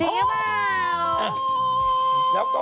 จริงหรือเปล่า